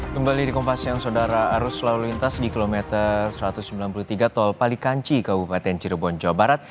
kembali di kompas yang saudara arus lalu lintas di kilometer satu ratus sembilan puluh tiga tol palikanci kabupaten cirebon jawa barat